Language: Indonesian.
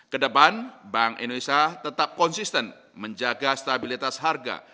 kedepan bank indonesia tetap konsisten menjaga stabilitas harga